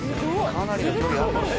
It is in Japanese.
かなり距離あるぞ。